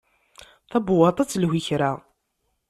Tabewwaṭ-a ad telhu i kra.